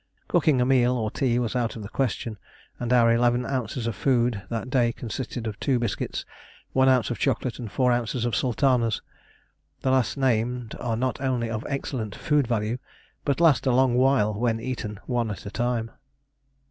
Cooking a meal or tea was out of the question, and our 11 oz. of food that day consisted of two biscuits, 1 oz. of chocolate, and 4 oz. of sultanas. The last named are not only of excellent food value, but last a long while when eaten one at a time.